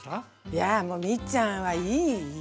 いやもうミッちゃんはいいいい。